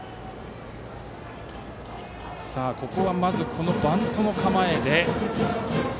ここはまずバントの構え。